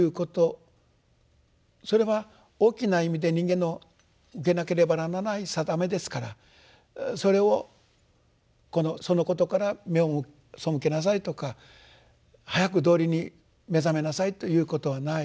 それは大きな意味で人間の受けなければならない定めですからそれをそのことから目を背けなさいとか早く道理に目覚めなさいということはない。